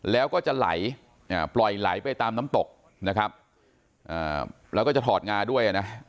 แล้วก็จะไหลปล่อยไหลไปตามน้ำตกนะครับแล้วก็จะถอดงาด้วยนะ